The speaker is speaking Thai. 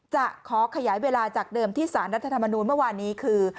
จะขอขยายเวลาจากเดิมที่สารรัฐธรรมนูลเมื่อวานนี้คือ